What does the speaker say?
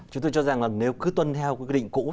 chúng tôi cho rằng là nếu cứ tuân theo quy định cũ